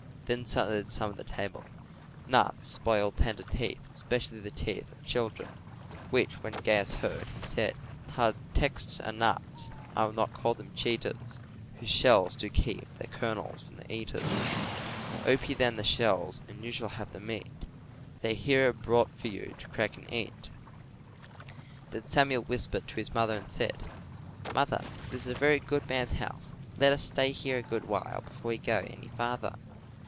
Then said some at the table, "Nuts spoil tender teeth, especially the teeth of children," which when Gaius heard, he said, "Hard texts are nuts (I will not call them cheaters) Whose shells do keep their kernels from the eaters; Ope then the shells and you shall have the meat; They here are brought for you to crack and eat." Then Samuel whispered to his mother and said, "Mother, this is a very good man's house; let us stay here a good while before we go any farther."